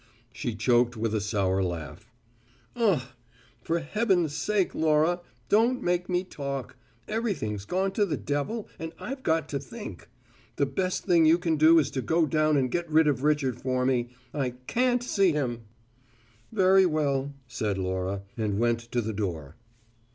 She choked with a sour laugh. "Ugh! For heaven's sake, Laura, don't make me talk. Everything's gone to the devil and I've got to think. The best thing you can do is to go down and get rid of Richard for me. I can't see him!" "Very well," said Laura, and went to the door.